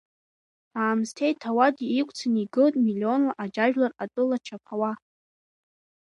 Аамсҭеи ҭауади ықәцаны игылт, миллионла аџьажәлар атәыла чаԥауа.